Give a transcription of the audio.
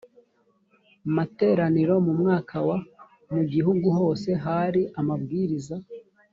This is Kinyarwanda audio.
materaniro mu mwaka wa mu gihugu hose hari ababwiriza